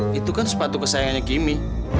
eh itu kan sepatu kesayangannya kimi